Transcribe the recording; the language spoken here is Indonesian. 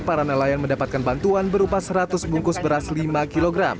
para nelayan mendapatkan bantuan berupa seratus bungkus beras lima kg